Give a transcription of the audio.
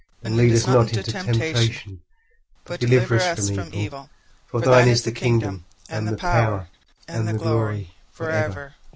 40:006:013 And lead us not into temptation, but deliver us from evil: For thine is the kingdom, and the power, and the glory, for ever.